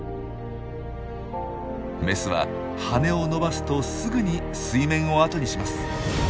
メスは羽を伸ばすとすぐに水面を後にします。